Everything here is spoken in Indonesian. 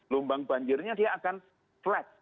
lumbang banjirnya dia akan flat